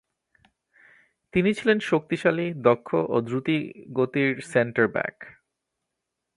তিনি ছিলেন শক্তিশালী, দক্ষ ও দ্রুতিগতির সেন্টার-ব্যাক।